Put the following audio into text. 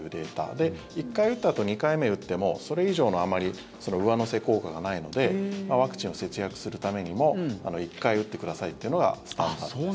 で、１回打ったあと２回目打ってもそれ以上のあまり上乗せ効果がないのでワクチンを節約するためにも１回打ってくださいってのがスタンダードです。